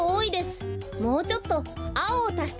もうちょっとあおをたしてみましょう。